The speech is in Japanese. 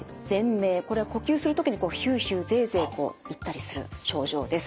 これは呼吸する時にヒューヒューゼーゼー言ったりする症状です。